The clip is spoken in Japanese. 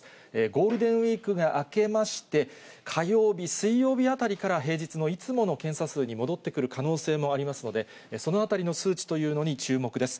ゴールデンウィークが明けまして、火曜日、水曜日あたりから、平日のいつもの検査数に戻ってくる可能性もありますので、そのあたりの数値というのに注目です。